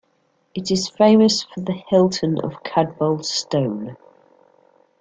It is famous for the Hilton of Cadboll Stone.